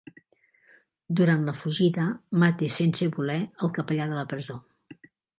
Durant la fugida, mata sense voler el capellà de la presó.